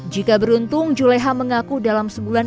jika beruntung juleha mengaku dalam sebulan